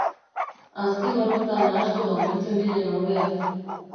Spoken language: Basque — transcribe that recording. Azken horretan nahastua omen zebilen ordea.